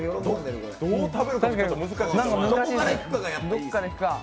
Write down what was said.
どこからいくか。